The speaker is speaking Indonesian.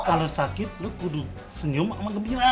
kalau sakit lu kudu senyum sama gembira